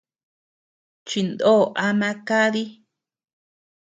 Chindo ama kadi.